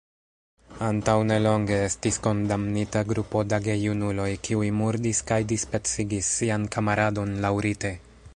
Antaŭ nelonge estis kondamnita grupo da gejunuloj, kiuj murdis kaj dispecigis sian kamaradon laŭrite.